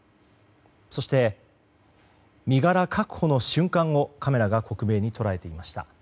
そして、身柄確保の瞬間をカメラが克明に捉えていました。